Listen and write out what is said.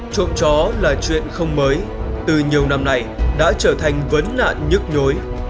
trộm chó là chuyện không mới từ nhiều năm nay đã trở thành vấn nạn nhức nhối